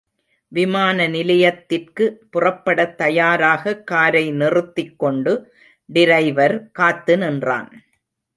விமான நிலையத்திற்கு புறப்படத் தயாராக காரை நிறுத்திக் கொண்டு டிரைவர் காத்து நின்றான்.